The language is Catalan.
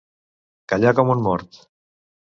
Callar com un mort.